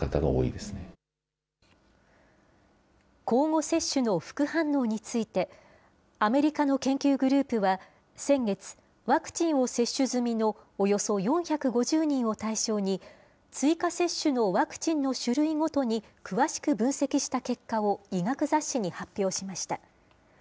交互接種の副反応について、アメリカの研究グループは、先月、ワクチンを接種済みのおよそ４５０人を対象に、追加接種のワクチンの種類ごとに、詳しく分析した結果を医学雑誌に発表しました。